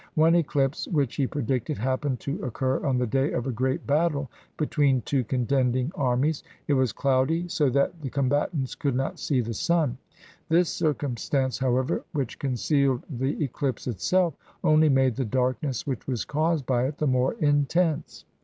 One eclipse which he predicted happened to occur on the day of a great battle between two contending armies. It was cloudy, so that the combatants could not see the sun. This cir cumstance, however, which concealed the eclipse itself, only made the darkness which was caused by it the more intense.